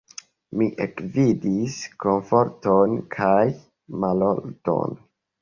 Mi ekvidis komforton kaj malordon.